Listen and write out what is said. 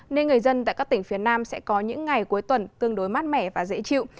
nên người dân tại các tỉnh phía nam sẽ có những ngày cuối tuần tương đối mát mẻ và dễ chịu